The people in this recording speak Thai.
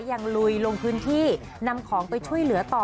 ลุยลงพื้นที่นำของไปช่วยเหลือต่อ